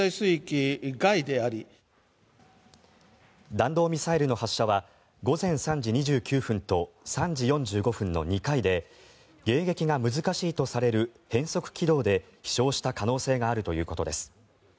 弾道ミサイルの発射は午前３時２９分と３時４５分の２回で迎撃が難しいとされる変則軌道で飛翔した可能性があるということです。